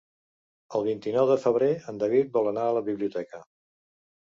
El vint-i-nou de febrer en David vol anar a la biblioteca.